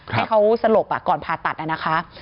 ให้เขาสลบก่อนผ่าตัดนะคะ